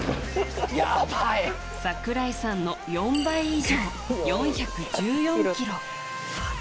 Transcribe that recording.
櫻井さんの４倍以上、４１４ｋｇ。